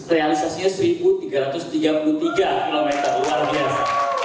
realisasinya satu tiga ratus tiga puluh tiga km luar biasa